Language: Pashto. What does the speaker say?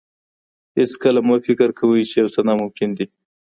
هیڅکله مه فکر کوئ چې یو څه ناممکن دي.